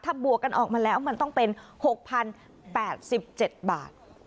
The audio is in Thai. ถ้าบวกกันออกมาแล้วมันต้องเป็น๖๐๘๗บาท